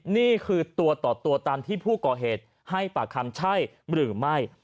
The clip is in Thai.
นี่คือตัวต่อตัวตามที่ผู้ก่อเหตุให้ปากคำใช่หรือไม่